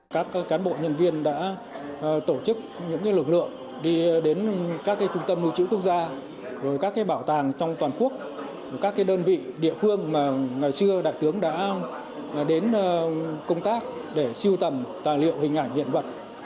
các cán bộ nhân viên đã tổ chức những lực lượng đi đến các trung tâm lưu trữ quốc gia các bảo tàng trong toàn quốc các đơn vị địa phương mà ngày xưa đại tướng đã đến công tác để siêu tầm tài liệu hình ảnh hiện vật